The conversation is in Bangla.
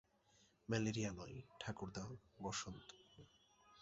ম্যালেরিয়া নয়, ঠাকুরদা, বসন্ত!